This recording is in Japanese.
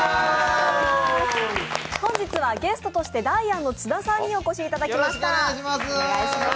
本日はゲストとして、ダイアンの津田さんにお越しいただきました。